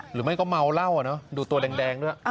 หรือไม่ก็เมาเหล้าดูตัวแดงด้วย